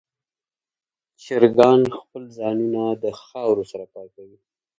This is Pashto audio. چرګان خپل ځانونه د خاورو سره پاکوي.